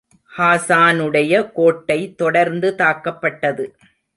ஹாஸானுடைய கோட்டை தொடர்ந்து தாக்கப்பட்டது.